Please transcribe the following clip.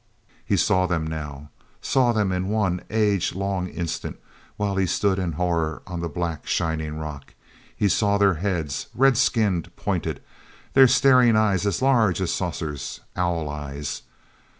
He saw them now—saw them in one age long instant while he stood in horror on the black shining rock. He saw their heads, red skinned, pointed, their staring eyes as large as saucers—owl eyes.